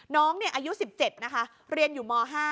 น้องอายุ๑๗นะคะเรียนอยู่ม๕